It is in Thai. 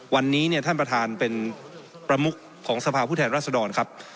วันนี้เนี่ยท่านประธานเป็นประมุขของสภาพผู้แทนรัศดรครับ